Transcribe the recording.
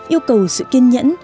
yêu cầu sự kiên nhẫn